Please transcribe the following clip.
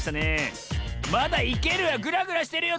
まだいける⁉ぐらぐらしてるよ。